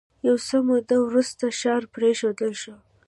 یو څه موده وروسته ښار پرېښودل شو